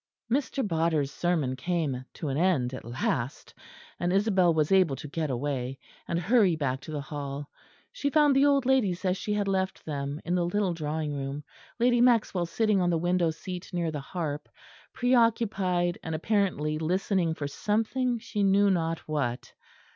Mr. Bodder's sermon came to an end at last; and Isabel was able to get away, and hurry back to the Hall. She found the old ladies as she had left them in the little drawing room, Lady Maxwell sitting on the window seat near the harp, preoccupied and apparently listening for something she knew not what.